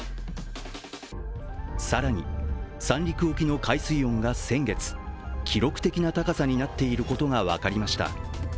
更に、三陸沖の海水温が先月記録的な高さになっていることが分かりました。